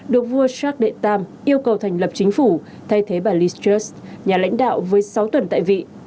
được vua charles iii yêu cầu thành lập chính phủ thay thế bà lister nhà lãnh đạo với sáu tuần tại vị